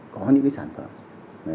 có những sản phẩm